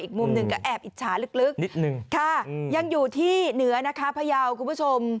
อีกมุมหนึ่งก็แอบอิจฉาลึกนิดนึงค่ะยังอยู่ที่เหนือนะคะพยาวคุณผู้ชม